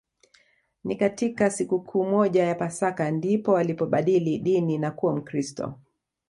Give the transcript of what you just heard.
Ni katika sikukuu moja ya Pasaka ndipo alipobadili dini na kuwa Mkristo